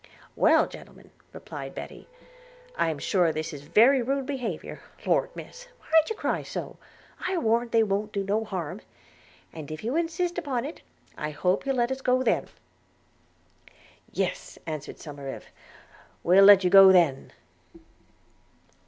'Well, gentlemen,' replied Betty, 'I am sure this is very rude behaviour (Lord, Miss, why d'ye cry so? I warrant they won't do no harm); and if you insist upon it, I hope you'll let us go then.' 'Yes,' answered Somerive, 'we'll let you go then.'